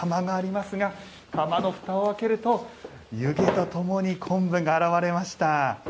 釜のふたを開けると湯気とともに昆布が現れました。